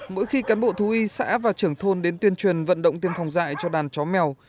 mỗi khi cán bộ thú y xã và trưởng thôn đến tuyên truyền vận động tiêm phòng dạy cho đàn chó mèo